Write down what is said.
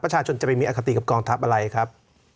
ประชาชนจะไปมีอคติกับกองทัพอะไรครับ